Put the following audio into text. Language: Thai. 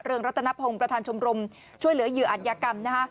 เรื่องรัฐนพงษ์ประธานชมรมช่วยเหลือยืออันยากรรมนะคะ